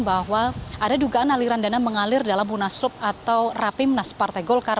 bahwa ada dugaan aliran dana mengalir dalam munaslup atau rapimnas partai golkar